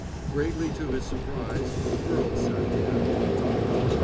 Greatly to his surprise, a girl sat there, painting.